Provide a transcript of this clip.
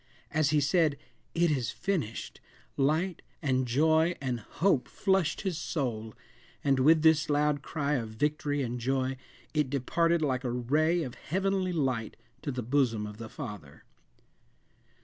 As he said, "It is finished," light, and joy, and hope, flushed his soul, and with this loud cry of victory and joy, it departed like a ray of heavenly light to the bosom of the Father.